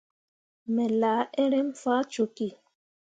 Me laa eremme faa cokki.